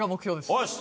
よし！